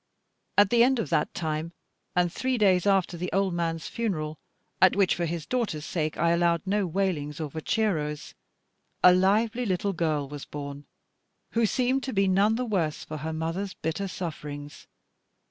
At the end of that time, and three days after the old man's funeral at which for his daughter's sake I allowed no wailings or voceros a lively little girl was born, who seemed to be none the worse for her mother's bitter sufferings.